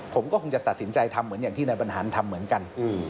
ผมก็คงจะตัดสินใจทำเหมือนอย่างที่นายบรรหารทำเหมือนกัน